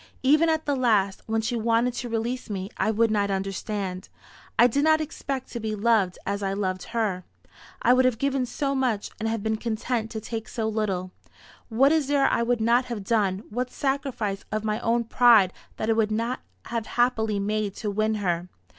Even at the last, when she wanted to release me, I would not understand. I did not expect to be loved as I loved her. I would have given so much, and been content to take so little. What is there I would not have done what sacrifice of my own pride that I would not have happily made to win her!